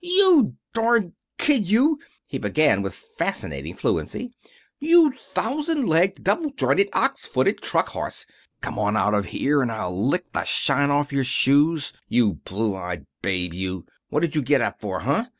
"You darned kid, you!" he began, with fascinating fluency. "You thousand legged, double jointed, ox footed truck horse. Come on out of here and I'll lick the shine off your shoes, you blue eyed babe, you! What did you get up for, huh?